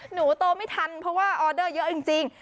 หนูโตไม่ทันเพราะว่าออเดอร์เยอะจริง